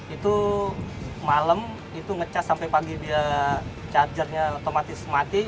itu malam itu ngecas sampai pagi dia chargernya otomatis mati